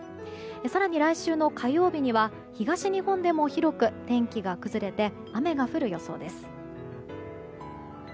更に、来週の火曜日には東日本でも広く天気が崩れて雨が降る予想です。